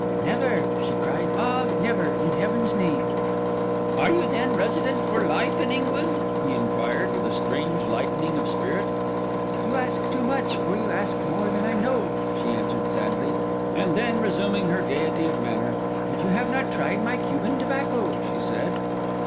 'Never!' she cried; 'ah, never, in Heaven's name!' 'Are you then resident for life in England?' he inquired, with a strange lightening of spirit. 'You ask too much, for you ask more than I know,' she answered sadly; and then, resuming her gaiety of manner: 'But you have not tried my Cuban tobacco,' she said.